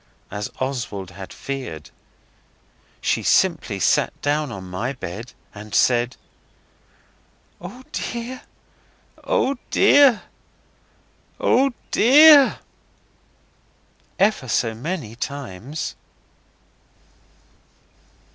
as Oswald had feared. She simply sat down on my bed and said 'Oh, dear! oh, dear! oh, dear!' ever so many times.